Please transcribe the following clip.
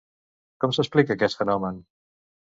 Com s'explica aquest fenomen?